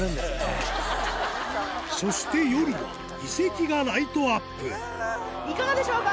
そして夜は遺跡がライトアップいかがでしょうか？